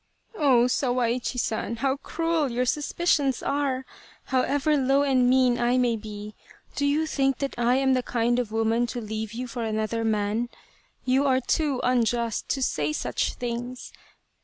" Oh, Sawaichi San ! how cruel your suspicions are ! However low and mean I may be, do you think that I am the kind of woman to leave you for another man ? You are too unjust to say such things.